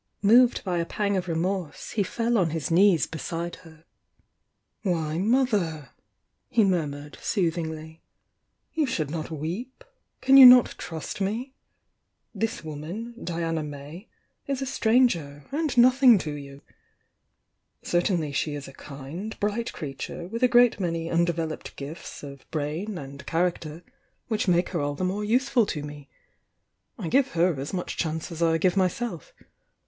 Moved by a pang of remorse, he fell on his knees beside her. "Why, mother!" he murmured, soothingly— "you should not weep! Can you not trust me? This woman, Diana May, is a stranger, and nothing to you. Certainly she is a kind, bright creature, with a great many undeveloped gifts of brain and char ll II li 102 THE YOUNG DIANA HI aoter. which make her all the more useful to me. I give her as much chance as I give myself.